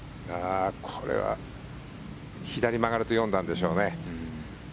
これは左に曲がると読んだんでしょうね。